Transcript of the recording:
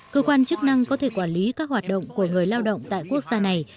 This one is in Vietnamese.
cơ quan chức năng có thể quản lý các hoạt động của người lao động tại quốc gia này